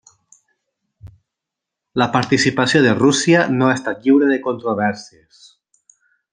La participació de Rússia no ha estat lliure de controvèrsies.